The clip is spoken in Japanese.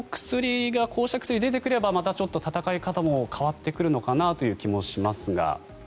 こうした薬が出てくればまたちょっと闘い方も変わってくるのかなという気もしますが。